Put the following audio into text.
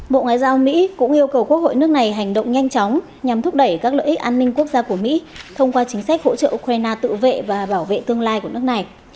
bộ ngoại giao mỹ cũng yêu cầu quốc hội nước này hành động nhanh chóng nhằm thúc đẩy các lợi ích an ninh quốc gia của mỹ thông qua chính sách hỗ trợ ukraine tự vệ và bảo vệ tương lai của nước này